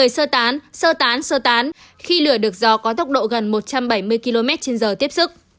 sơ tán sơ tán sơ tán khi lửa được gió có tốc độ gần một trăm bảy mươi km trên giờ tiếp sức